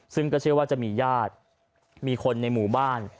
ซึ่งก็เชื่อว่าจะมีญาติมีคนในหมู่บ้าน